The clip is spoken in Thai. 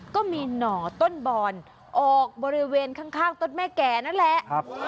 ก็มีหน่อต้นบอนออกบริเวณข้างต้นแม่แก่นั่นแหละ